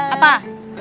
ongkos ke kotanya